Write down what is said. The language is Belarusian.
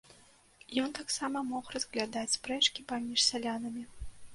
Ён таксама мог разглядаць спрэчкі паміж сялянамі.